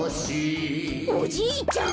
おじいちゃん